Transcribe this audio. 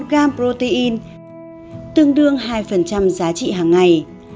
một gram protein tương đương hai giá trị hằng ngày